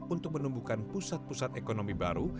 untuk menumbuhkan pusat pusat ekonomi baru